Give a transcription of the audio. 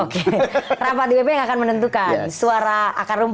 oke rapat dpp yang akan menentukan suara akar rumput